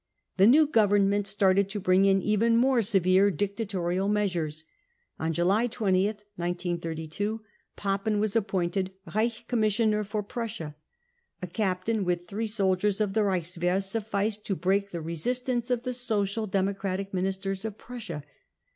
The new government started to bring in even more Severe dictatorial measures. On July 20th, 1932, Papen was appointed Reich Commissioner for Prussia. A captain with three soldiers of the Reichswehr sufficed to break the i£ resistance 59 of the Social Democratic ministers of Prussia.